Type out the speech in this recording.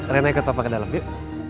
reina ikut papa ke dalam yuk